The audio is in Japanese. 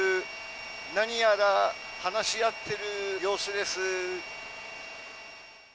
何やら話し合っている様子です。